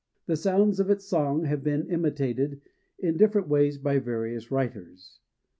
The sounds of its song have been imitated in different ways by various writers.